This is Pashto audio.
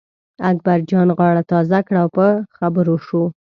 اکبرجان غاړه تازه کړه او په خبرو شو.